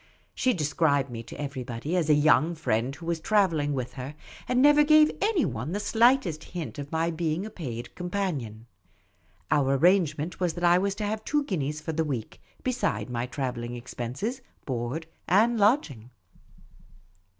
vShe described me to everybody as a young friend who was travelling with her, and never gave any one The Supercilious Attache 35 the slightest hint of my being a paid companion. Our ar rangement was that I was to have two guineas for the week, besides my travelHng expenses, board, and lodging.